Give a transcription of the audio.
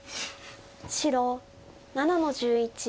白７の十一。